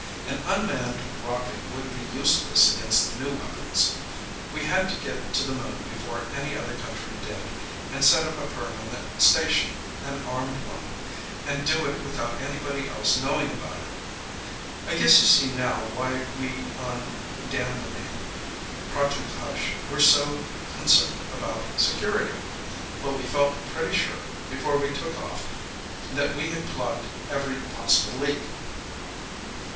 An unmanned rocket would be useless against the new weapons. We had to get to the Moon before any other country did and set up a permanent station an armed one and do it without anybody else knowing about it. I guess you see now why we on (damn the name!) Project Hush were so concerned about security. But we felt pretty sure, before we took off, that we had plugged every possible leak.